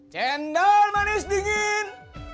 cendol manis dingin